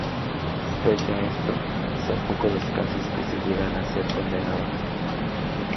Pese a esto, son pocos los casos que llegan a ser condenados.